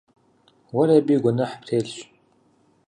Уэри абы и гуэныхь птелъщ.